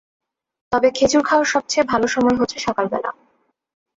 তবে খেজুর খাওয়ার সবচেয়ে ভালো সময় হচ্ছে সকালবেলা।